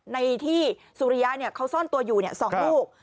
ในที่สุริยะเขาซ่อนตัวอยู่๒ลูก